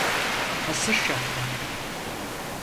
Hasır Şapka!